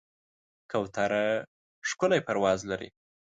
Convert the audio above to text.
کوتره ښکلی پرواز لري.